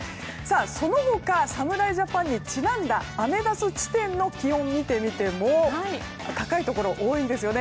その他、侍ジャパンにちなんだアメダス地点の気温を見てみても高いところ多いんですよね。